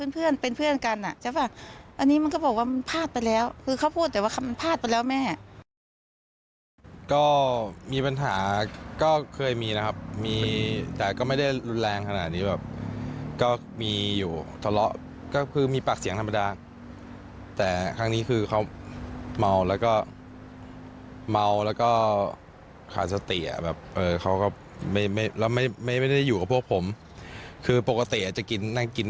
เพื่อนเป็นเพื่อนกันอ่ะใช่ป่ะอันนี้มันก็บอกว่ามันพลาดไปแล้วคือเขาพูดแต่ว่ามันพลาดไปแล้วแม่ก็มีปัญหาก็เคยมีนะครับมีแต่ก็ไม่ได้รุนแรงขนาดนี้แบบก็มีอยู่ทะเลาะก็คือมีปากเสียงธรรมดาแต่ครั้งนี้คือเขาเมาแล้วก็เมาแล้วก็ขาดสติอ่ะแบบเออเขาก็ไม่ไม่แล้วไม่ไม่ได้อยู่กับพวกผมคือปกติอ่ะจะกินนั่งกิน